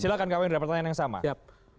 silahkan kak wendra pertanyaan yang sama